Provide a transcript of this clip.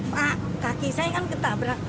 pak kaki saya kan ketabrak